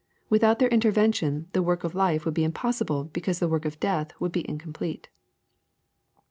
Without their intervention the work of life would be impossible because the work of death would be in complete.